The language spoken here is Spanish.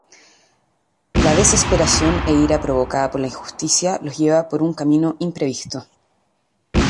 La desesperación e ira provocada por la injusticia los lleva por un camino imprevisto.